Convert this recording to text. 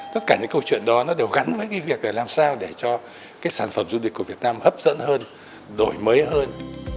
tất cả những câu chuyện đó đều gắn với việc làm sao để cho sản phẩm du lịch của việt nam hấp dẫn hơn đổi mới hơn